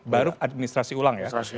baru administrasi ulang ya